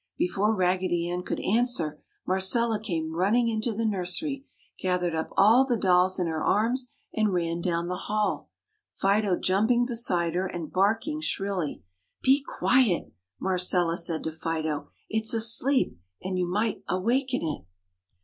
Before Raggedy Ann could answer, Marcella came running into the nursery, gathered up all the dolls in her arms, and ran down the hall, Fido jumping beside her and barking shrilly. "Be quiet!" Marcella said to Fido, "It's asleep and you might awaken it!"